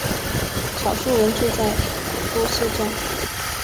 少数人住在都市中。